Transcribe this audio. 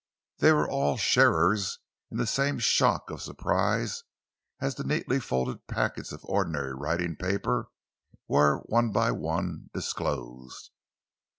They were all sharers in the same shock of surprise as the neatly folded packets of ordinary writing paper were one by one disclosed.